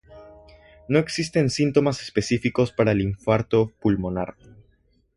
No existen síntomas específicos para el infarto pulmonar.